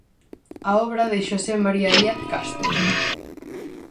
A obra de Xosé María Díaz Castro.